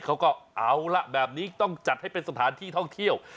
เขาก็เอาล่ะแบบนี้ต้องจัดให้เป็นสถานที่ท่องเที่ยว